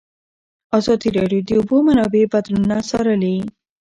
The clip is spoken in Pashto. ازادي راډیو د د اوبو منابع بدلونونه څارلي.